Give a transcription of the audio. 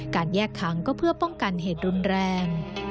การแยกขังก็เพื่อป้องกันเหตุรุนแรง